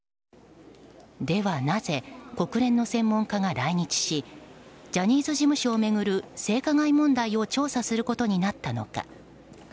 では、なぜ国連の専門家が来日しジャニーズ事務所を巡る性加害問題を調査することになったのか。